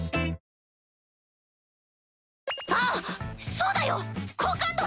そうだよ好感度！